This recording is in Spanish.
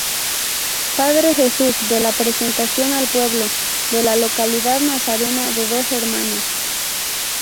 Padre Jesús de la Presentación al Pueblo, de la localidad nazarena de Dos Hermanas.